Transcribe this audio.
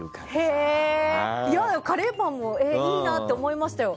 いやいや、カレーパンもいいなって思いましたよ。